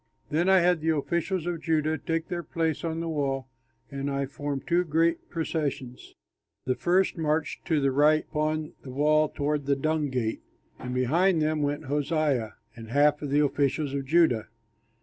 Then I had the officials of Judah take their place on the wall, and I formed two great processions. The first marched to the right upon the wall toward the Dung Gate; and behind them went Hoshaiah and half of the officials of Judah.